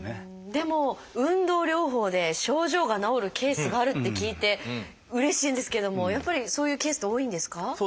でも運動療法で症状が治るケースがあるって聞いてうれしいんですけどもやっぱりそういうケースって多いんですか？